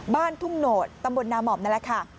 บ้านทุ่งโหนดตำบลนามอมนั่นแหละค่ะ